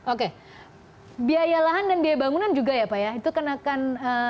oke biaya lahan dan biaya bangunan juga ya pak ya itu kenakan